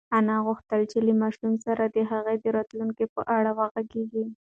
انا غوښتل چې له ماشوم سره د هغه د راتلونکي په اړه وغږېږي.